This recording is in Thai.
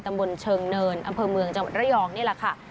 ตำบลเชิงเนินอำเภอเมืองจังหวัดระยองนี่แหละค่ะ